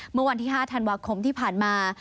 เมื่อวันที่๕ธันวาคมที่ผ่านมา